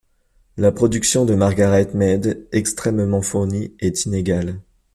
La production de Margaret Mead, extrêmement fournie, est inégale.